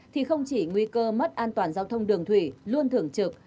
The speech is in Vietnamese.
thì không chỉ nguy cơ mất an toàn giao thông đường thủy luôn thưởng trực